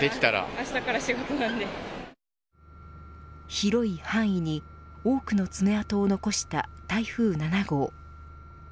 広い範囲に多くの爪痕を残した台風７号。